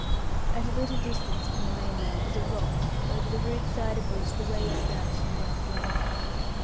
At a little distance from the mainland is a rock, over the rude side of which the waves dash in rough weather.